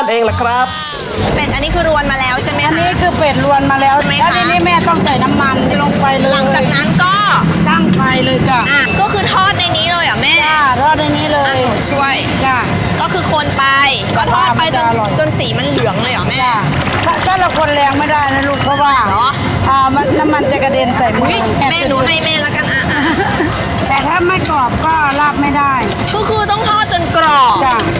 ต้องทอถจนกรอบ